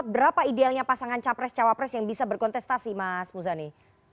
berapa idealnya pasangan capres cawapres yang bisa berkontestasi mas muzani